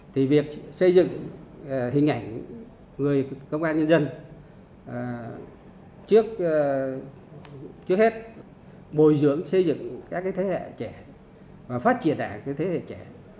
thì việc xây dựng hình ảnh người công an nhân dân trước hết bồi dưỡng xây dựng các thế hệ trẻ và phát triển đảng cái thế hệ trẻ